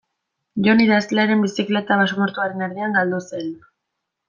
Jon idazlearen bizikleta basamortuaren erdian galdu zen.